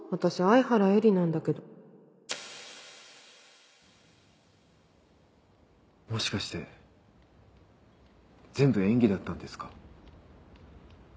愛原絵理なんだけどもしかして全部演技だったんですか？